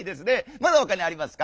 まだほかにありますか？」。